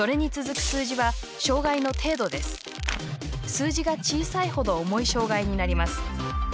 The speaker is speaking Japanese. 数字が小さいほど重い障がいになります。